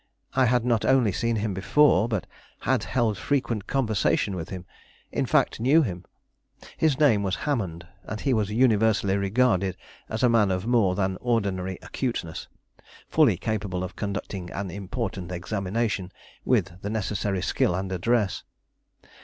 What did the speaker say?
I had not only seen him before, but had held frequent conversation with him; in fact, knew him. His name was Hammond, and he was universally regarded as a man of more than ordinary acuteness, fully capable of conducting an important examination, with the necessary skill and address.